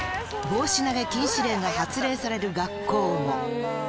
帽子投げ禁止令が発令される学校も。